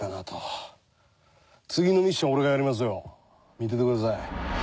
見ててください。